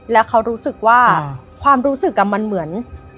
แล้วเขารู้สึกว่าความรู้สึกมันเหมือน